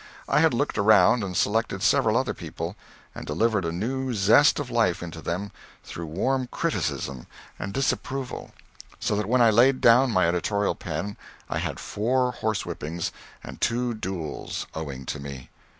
I had looked around and selected several other people, and delivered a new zest of life into them through warm criticism and disapproval so that when I laid down my editorial pen I had four horse whippings and two duels owing to me.